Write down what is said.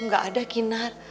gak ada kinar